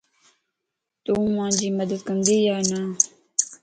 تون مانجي مدد ڪندي يا نا؟